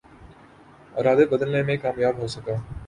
ارادہ بدلنے میں کامیاب ہو سکا